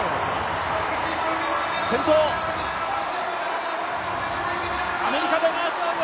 先頭、アメリカです。